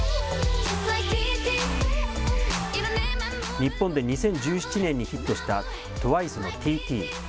日本で２０１７年にヒットした、ＴＷＩＣＥのＴＴ。